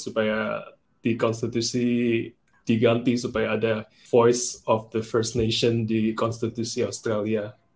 supaya di konstitusi diganti supaya ada voice of the first nation di konstitusi australia